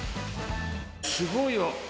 すごいよ！